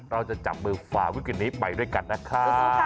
เราจะจับมือฝ่าวิกฤตนี้ไปด้วยกันนะครับ